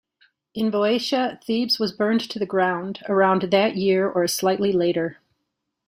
In Boeotia, Thebes was burned to the ground, around that year or slightly later.